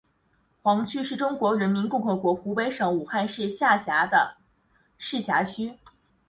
黄区是中华人民共和国湖北省武汉市下辖的市辖区。